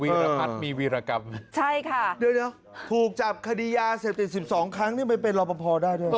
รพัฒน์มีวีรกรรมนะใช่ค่ะเดี๋ยวถูกจับคดียาเสพติด๑๒ครั้งนี่มันเป็นรอปภได้ด้วยเหรอ